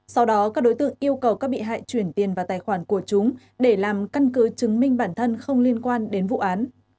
sau đó các đối tượng yêu cầu các bị hại chuyển tiền vào tài khoản của chúng để làm căn cứ chứng minh bản thân không liên quan đến vụ án